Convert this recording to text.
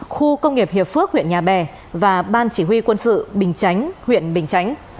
khu công nghiệp hiệp phước huyện nhà bè và ban chỉ huy quân sự bình chánh huyện bình chánh